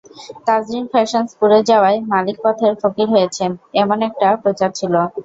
Tazreen Fashions পুড়ে যাওয়ায় মালিক পথের ফকির হয়েছেন—এমন একটা প্রচার ছিল।